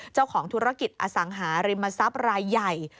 เจ้าของธุรกิจอสังหาริมทรัพย์รายใหญ่